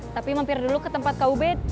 tapi mampir dulu ke tempat kau bed